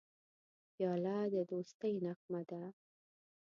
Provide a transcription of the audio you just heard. پیاله د دوستی نغمه ده.